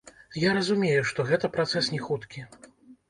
Я разумею, што гэта працэс не хуткі.